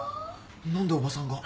何でおばさんが？